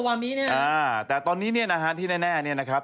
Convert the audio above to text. อ่าแต่ตอนนี้เนี่ยนะฮะที่แน่น่ะนะครับ